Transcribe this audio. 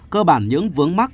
cơ bản những vướng mắc